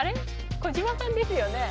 児嶋さんですよね？